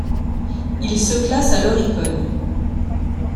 Il se classe à l'Oricon.